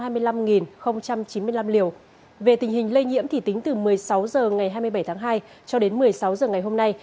về tình hình lây nhiễm thì tính từ một mươi sáu h ngày hai mươi bảy tháng hai cho đến một mươi sáu h ngày hôm nay